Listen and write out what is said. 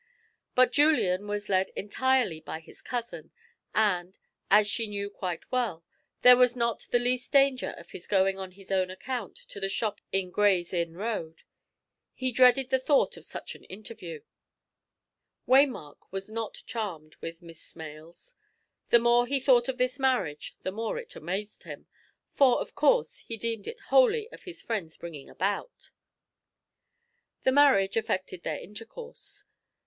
But Julian was led entirely by his cousin, and, as she knew quite well, there was not the least danger of his going on his own account to the shop in Gray's Inn Road; he dreaded the thought of such an interview. Waymark was not charmed with Miss Smales; the more he thought of this marriage, the more it amazed him; for, of course, he deemed it wholly of his friend's bringing about. The marriage affected their intercourse.